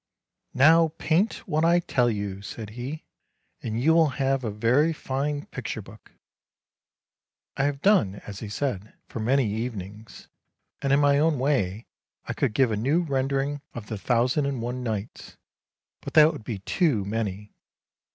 " Now paint what I tell you! " said he, " and you will have a very fine picture book." I have done as he said for many evenings, and in my own way I could give a new rendering of the " Thousand and One Nights," but that w r ould be too many.